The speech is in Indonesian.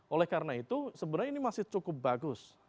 oleh karena itu sebenarnya ini masih cukup bagus